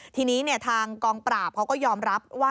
ทีนี้ทางกองปราบเขาก็ยอมรับว่า